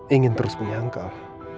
ingin terus menyangkal